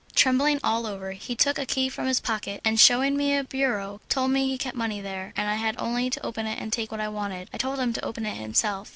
Trembling all over, he took a key from his pocket and shewing me a bureau told me he kept money there, and I had only to open it and take what I wanted; I told him to open it himself.